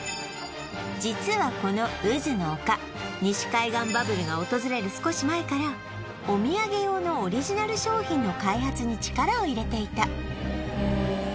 実はこのうずの丘西海岸バブルが訪れる少し前からお土産用のオリジナル商品の開発に力を入れていたへえ